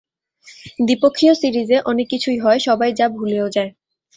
দ্বিপক্ষীয় সিরিজে অনেক কিছুই হয়, সবাই যা ভুলেও যায়।